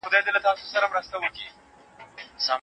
د کور فضا د پاک هوا سره ښه کېږي.